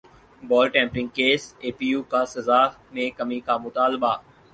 بال tampering کیساے پی یو کا سزا میں کمی کامطالبہ